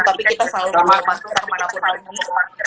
tapi kita selalu masuk kemana pun lagi